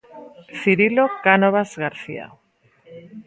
Cirilo Cánovas García.